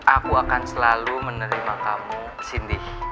aku akan selalu menerima kamu sindi